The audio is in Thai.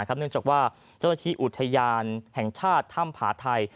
เนื่องจากว่าเจ้าหน้าที่อุทยานแห่งชาติถ้ำผาไทย